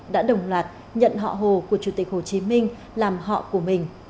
đã đồng loạt nhận họ hồ của chủ tịch hồ chí minh làm họ của mình